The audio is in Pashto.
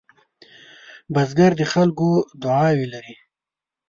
بزګر د خلکو دعاوې لري